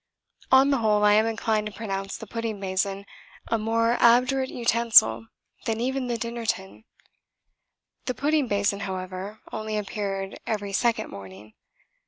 On the whole I am inclined to pronounce the pudding basin a more obdurate utensil than even the dinner tin. The pudding basin, however, only appeared every second morning.